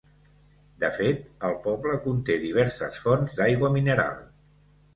De fet, el poble conté diverses fonts d'aigua mineral.